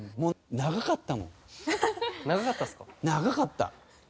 長かった。